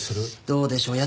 どうでしょう。